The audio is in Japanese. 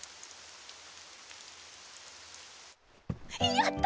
やった！